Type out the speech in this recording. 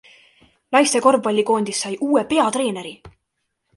Naiste korvpallikoondis sai uue peatreeneri!